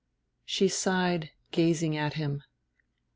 She sighed, gazing at him.